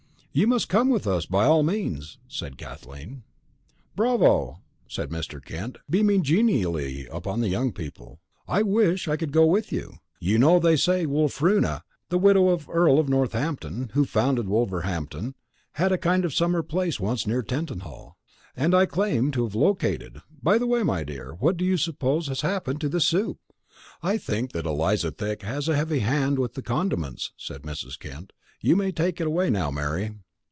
"You must come with us, by all means," said Kathleen. "Bravo," said Mr. Kent, beaming genially upon the young people. "I wish I could go with you. You know they say Wulfruna, the widow of the Earl of Northampton, who founded Wolverhampton, had a kind of summer place once near Tettenhall, and I claim to have located By the way, my dear, what do you suppose has happened to this soup?" "I think that Eliza Thick has a heavy hand with the condiments," said Mrs. Kent. "You may take it away now, Mary."